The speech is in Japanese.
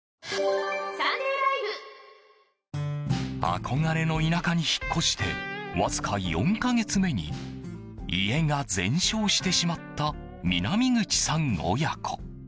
憧れの田舎に引っ越してわずか４か月目に家が全焼してしまった南口さん親子。